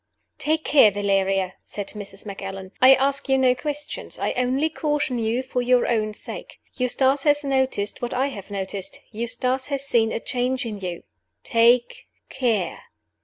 "TAKE care, Valeria!" said Mrs. Macallan. "I ask you no questions; I only caution you for your own sake. Eustace has noticed what I have noticed Eustace has seen a change in you. Take care!"